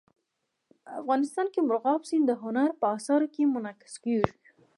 افغانستان کې مورغاب سیند د هنر په اثار کې منعکس کېږي.